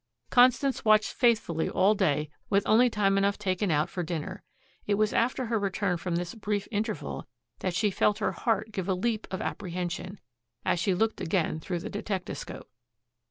Constance watched faithfully all day with only time enough taken out for dinner. It was after her return from this brief interval that she felt her heart give a leap of apprehension, as she looked again through the detectascope.